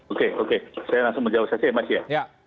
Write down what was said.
oke oke saya langsung menjawab saja ya mas ya